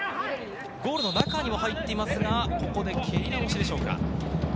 ゴールの中にも入っていますが、蹴り直しでしょうか。